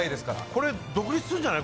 これ、独立するんじゃない？